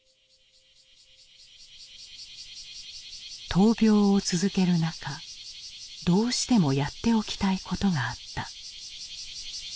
闘病を続ける中どうしてもやっておきたいことがあった。